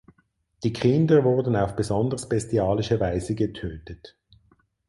Die Kinder wurden auf besonders bestialische Weise getötet.